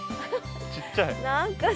ちっちゃい。